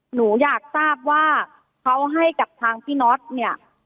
หนูอยากทราบว่าเขาให้กับทางพี่น็อตเนี่ย